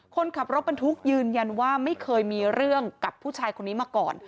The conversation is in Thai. คนขับรถบรรทุกยืนยันว่าไม่เคยมีเรื่องกับผู้ชายคนนี้มาก่อน